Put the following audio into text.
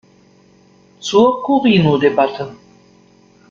Zur Corino-Debatte